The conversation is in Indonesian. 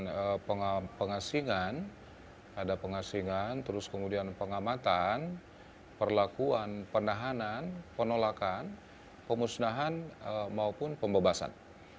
ada pengasingan ada pengasingan terus kemudian pengamatan perlakuan penahanan penolakan pemusnahan maupun pembebasan